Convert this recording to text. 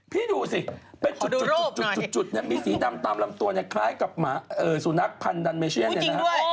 พี่ดูสิจุดมีสีดำตามลำตัวคล้ายกับสุนัขพันธ์ดัมเมเชียน